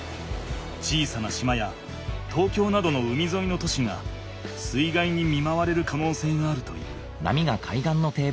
小さな島や東京などの海ぞいの都市が水害に見まわれるかのうせいがあるという。